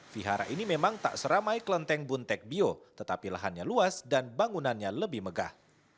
vihara ini memang tak seramai kelenteng buntek bio tetapi lahannya luas dan bangunannya lebih megah